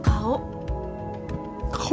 顔？